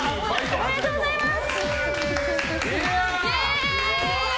おめでとうございます！